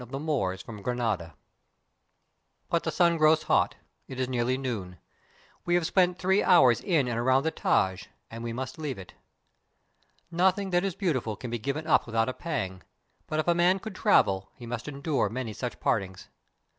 .. the Moors from Grani But the sun grows hot; it is nearly noon. We have spent three hoim '*. Xaj, and we must THE TAJ MAHAL leave it. Nothing that is beautiful can be given up with out a pang, but if a man would travel, he must endure many such partings.